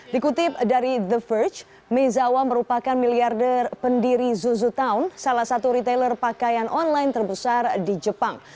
dikutip dari the verge mezawa merupakan miliarder pendiri zuzutown salah satu retailer pakaian online terbesar di jepang